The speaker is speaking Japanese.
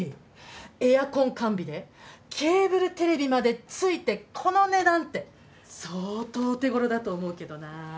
エアコン完備でケーブルテレビまでついてこの値段って相当お手ごろだと思うけどなぁ。